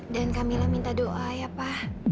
dan kamila minta doa ya pa